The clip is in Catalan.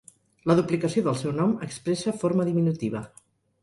La duplicació del seu nom expressa forma diminutiva.